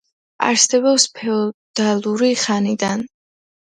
არსებობს ფეოდალური ხანიდან.